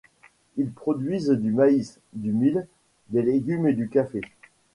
Ils produisent du maïs, du mil, des légumes et du café.